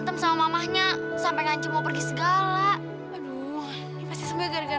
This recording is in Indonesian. tidak ada yang bisa diberikan